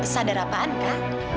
sadar apaan kak